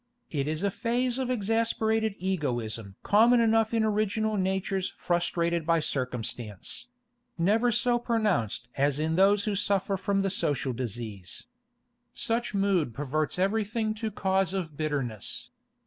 It is a phase of exasperated egotism common enough in original natures frustrated by circumstance—never so pronounced as in those who suffer from the social disease. Such mood perverts everything to cause of bitterness.